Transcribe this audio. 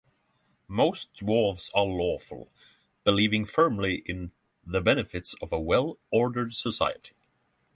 Most dwarves are lawful, believing firmly in the benefits of a well‑ordered society.